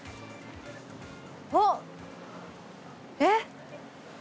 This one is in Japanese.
あっえっ？